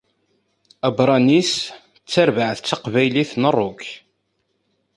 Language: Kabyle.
Abranis ttarbaɛt taqbaylit n rock.